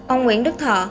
ông nguyễn đức thọ